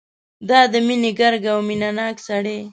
دا د مینې ګرګه او مینه ناک سړی.